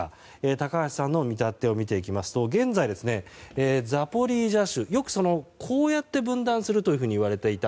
高橋さんの見立てを見ていくと現在、ザポリージャ州よくこうやって分断するといわれていた